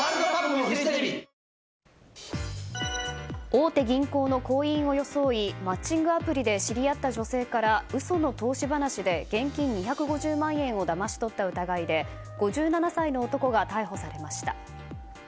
大手銀行の行員を装いマッチングアプリで知り合った女性から嘘の投資話で現金２５０万円をだまし取った疑いで５７歳の男が逮捕されました。